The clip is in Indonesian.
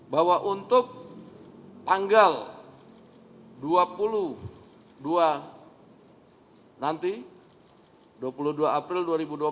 bahwa untuk tanggal dua puluh dua april dua ribu dua puluh empat